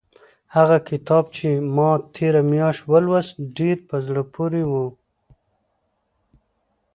هغه کتاب چې ما تېره میاشت ولوست ډېر په زړه پورې و.